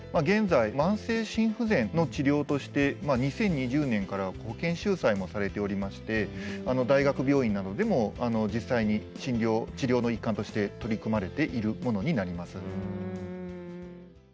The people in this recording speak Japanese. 現在慢性心不全の治療として２０２０年から保険収載もされておりまして大学病院などでも実際に診療治療の一環として取り組まれているものになります。